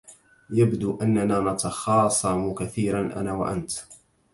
يبدو أننا نتخاصم كثيرا أنا و أنت.